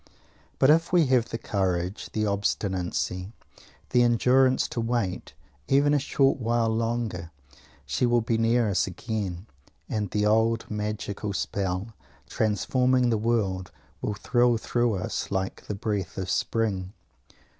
But if we have the courage, the obstinacy, the endurance, to wait even a short while longer she will be near us again; and the old magical spell, transforming the world, will thrill through us like the breath of spring!